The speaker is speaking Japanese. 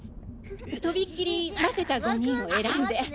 とびっきりマセた５人を選んで。